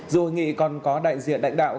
dù hội nghị còn có đại diện đạnh đạo